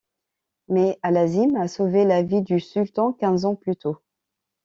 Mais Allazim a sauvé la vie du Sultan quinze ans plus tôt.